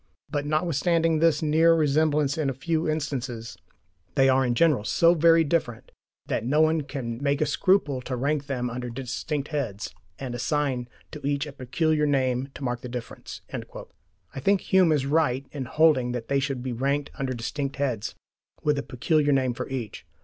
But notwithstanding this near resemblance in a few instances, they are in general so very different, that no one can make a scruple to rank them under distinct heads, and assign to each a peculiar name to mark the difference" ("Treatise of Human Nature," Part I, Section I). I think Hume is right in holding that they should be ranked under distinct heads, with a peculiar name for each.